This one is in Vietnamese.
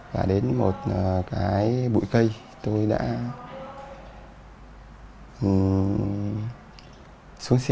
và đến một cái bụi cây tôi đã xuống xe